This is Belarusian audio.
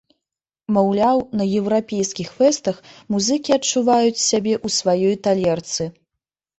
Маўляў, на еўрапейскіх фэстах музыкі адчуваюць сябе ў сваёй талерцы.